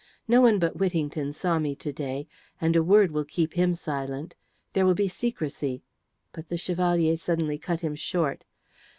No one but Whittington saw me to day, and a word will keep him silent. There will be secrecy " but the Chevalier suddenly cut him short.